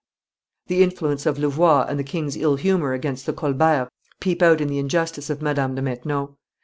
The influence of Louvois and the king's ill humor against the Colberts peep out in the injustice of Madame de Maintenon.